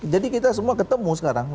jadi kita semua ketemu sekarang